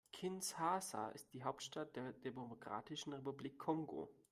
Kinshasa ist die Hauptstadt der Demokratischen Republik Kongo.